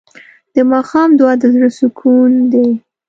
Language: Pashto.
د ماښام دعا د زړه سکون دی.